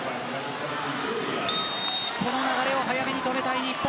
この流れを早めに止めたい日本。